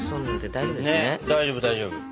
大丈夫大丈夫。